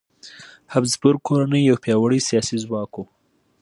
هابسبورګ کورنۍ یو پیاوړی سیاسي ځواک و.